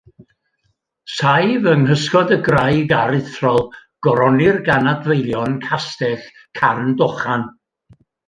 Saif yng nghysgod y graig aruthrol goronir gan adfeilion castell Carn Dochan.